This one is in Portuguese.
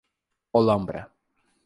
Holambra